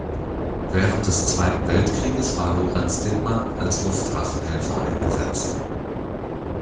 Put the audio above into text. Während des Zweiten Weltkrieges war Lorenz Dittmann als Luftwaffenhelfer eingesetzt.